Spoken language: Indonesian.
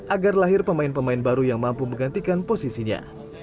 agar lahir pemain pemain baru yang mampu menggantikan posisinya